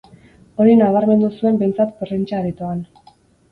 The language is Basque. Hori nabarmendu zuen behintzat prentsa aretoan.